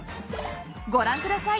ご覧ください！